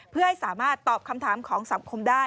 เพื่อให้สามารถตอบคำถามของสังคมได้